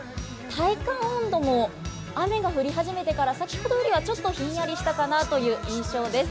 体感温度も雨が降り始めてから先ほどよりはちょっとひんやりしたかなという印象です。